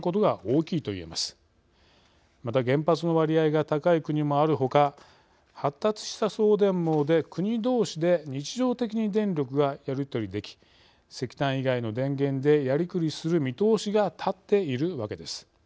また原発の割合が高い国もあるほか発達した送電網で国どうしで日常的に電力がやり取りでき石炭以外の電源でやりくりする見通しがたっているわけです。